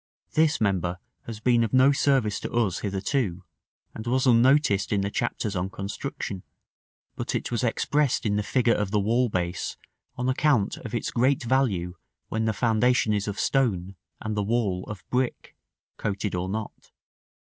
This member has been of no service to us hitherto, and was unnoticed in the chapters on construction; but it was expressed in the figure of the wall base, on account of its great value when the foundation is of stone and the wall of brick (coated or not).